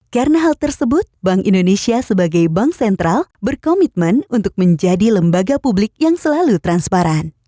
karena hal tersebut bank indonesia sebagai bank sentral berkomitmen untuk menjadi lembaga publik yang selalu transparan